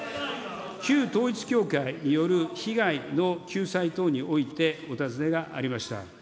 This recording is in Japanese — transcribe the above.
旧統一教会による被害の救済等においてお尋ねがありました。